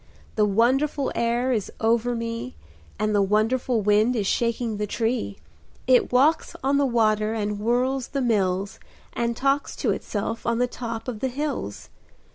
The wonderful air is over me, And the wonderful wind is shaking the tree It walks on the water, and whirls the mills, And talks to itself on the top of the hills.